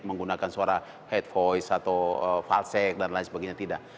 menggunakan suara head voice atau falsek dan lain sebagainya tidak